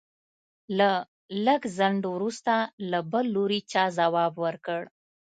د لږ ځنډ وروسته له بل لوري چا ځواب ورکړ.